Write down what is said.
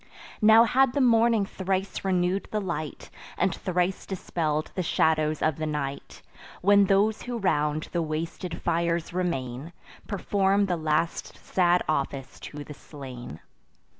Now had the morning thrice renew'd the light, And thrice dispell'd the shadows of the night, When those who round the wasted fires remain, Perform the last sad office to the slain.